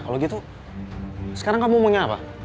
kalau gitu sekarang kamu mau ngapain